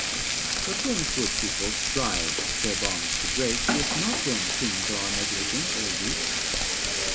But when should people strive their bonds to break, If not when kings are negligent or weak